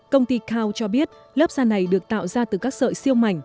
công ty cund cho biết lớp da này được tạo ra từ các sợi siêu mảnh